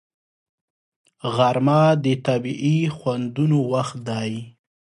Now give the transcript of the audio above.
غرمه د طبیعي خوندونو وخت دی